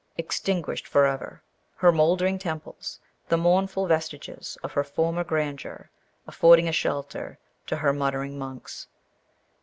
Extinguished for ever. Her mouldering temples, the mournful vestiges of her former grandeur, afford a shelter to her muttering monks.